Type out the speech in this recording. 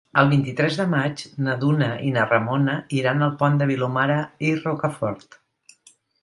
El vint-i-tres de maig na Duna i na Ramona iran al Pont de Vilomara i Rocafort.